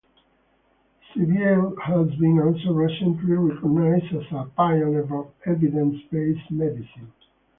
Civiale has been also recently recognized as a pioneer of evidence-based medicine.